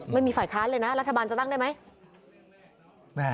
ไม่มีฝ่ายค้านเลยนะรัฐบาลจะตั้งได้ไหม